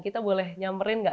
kita boleh nyamperin nggak